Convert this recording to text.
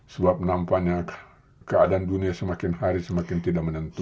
sebab nampaknya keadaan dunia semakin hari semakin tidak menentu